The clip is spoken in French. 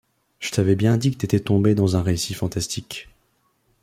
Je t'avais bien dit que t'étais tombé dans un récit fantastique.